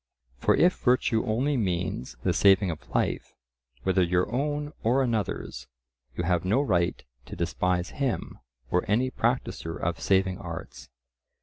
For if virtue only means the saving of life, whether your own or another's, you have no right to despise him or any practiser of saving arts.